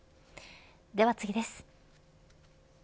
では次です。